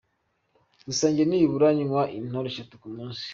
Gusa njye nibura nywa intore eshatu ku munsi.